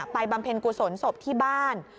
บำเพ็ญกุศลศพที่บ้าน